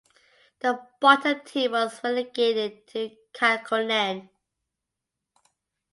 The bottom team was relegated to Kakkonen.